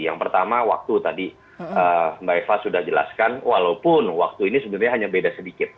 yang pertama waktu tadi mbak eva sudah jelaskan walaupun waktu ini sebenarnya hanya beda sedikit